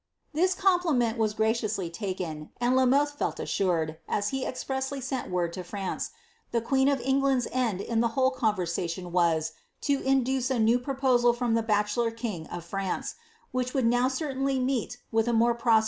^' This compliment was graciously taken ; and La Mothe felt ast as he expressly sent word to France, the queen of England's end i whole conversation was, to induce a new propu^l fnuii the bad king of France, which would now certainly meet with a more pre ous conclusion.